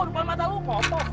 di depan mata lu kotor